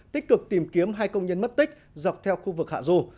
tích cực tìm kiếm hai công nhân mất tích dọc theo khu vực hạ du